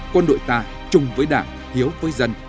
quân đội ta chung với đảng hiếu với dân